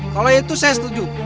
kalau itu saya setuju